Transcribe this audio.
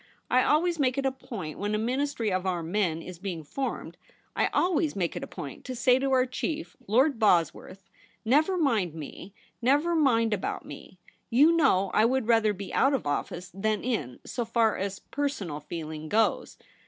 I always make it a point when a Ministry of our men is being formed — I always make it a point to say to our chief, Lord Bosworth, 'Never mind me — never mind about me; you know I would rather be out of office than in, so far as personal feeling goes.